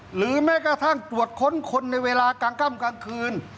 หรือแม้กระทั่งตรวจค้นคนในเวลากลางค่ำกลางคืน